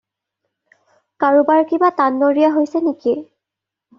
কাৰোবাৰ কিৰা টান নৰীয়া হৈছে নেকি?